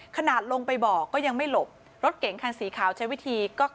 ขนาดลงไปบอกก็ยังไม่หลบรถเก๋งคันสีขาวใช้วิธีก็